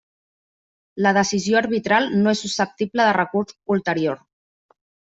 La decisió arbitral no és susceptible de recurs ulterior.